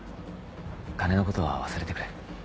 金の事は忘れてくれ。